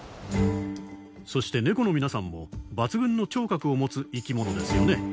そしてネコの皆さんも抜群の聴覚を持つ生き物ですよね！